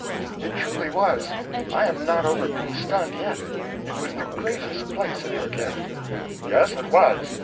"It truly was; I am not over being stunned yet. It was the greatest place in her gift." "Yes, it was.